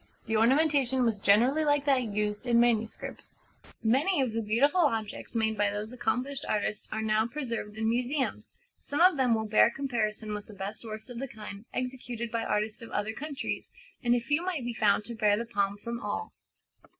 The ornamentation was generally like that used in manuscripts (p. 92). Many of the beautiful objects made by those accomplished artists are now preserved in museums; some of them will bear comparison with the best works of the kind executed by artists of other countries; and a few might be found to bear the palm from all.